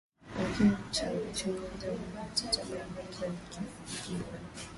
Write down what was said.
lakini uchunguzi wa maiti utabaini ikiwa vifo hivyo